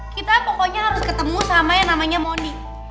kita pokoknya harus ketemu sama yang namanya moni